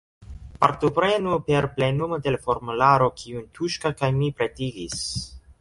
Partoprenu per plenumo de la formularo, kiun Tuŝka kaj mi pretigis.